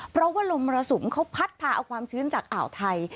เพราะว่าลมมรสุมเขาพัดพาเอาความชื้นจากอ่าวไทย